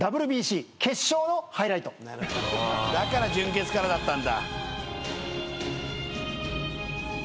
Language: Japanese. だから準決からだったんだ。